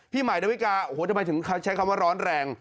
ใหม่ดาวิกาโอ้โหทำไมถึงใช้คำว่าร้อนแรง